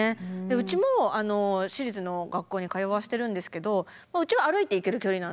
うちも私立の学校に通わせてるんですけどうちは歩いていける距離なんで。